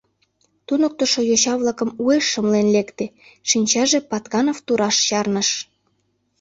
Туныктышо йоча-влакым уэш шымлен лекте, шинчаже Патканов тураш чарныш.